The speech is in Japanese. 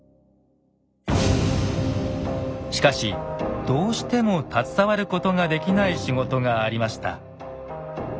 しかしどうしても携わることができない仕事がありました。